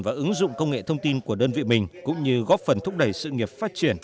và ứng dụng công nghệ thông tin của đơn vị mình cũng như góp phần thúc đẩy sự nghiệp phát triển